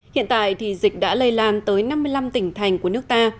hiện tại thì dịch đã lây lan tới năm mươi năm tỉnh thành của nước ta